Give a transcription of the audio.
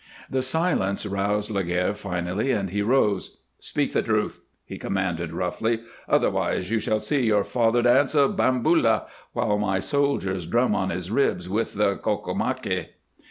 The silence roused Laguerre finally, and he rose. "Speak the truth," he commanded, roughly, "otherwise you shall see your father dance a bamboula while my soldiers drum on his ribs with the cocomacaque."